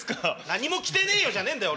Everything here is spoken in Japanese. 何も着てねえよじゃねえんだよ